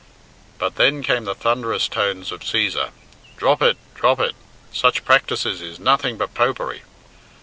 But then came the thunderous tones of Cæsar. "Drop it, drop it! Such practices is nothing but Popery."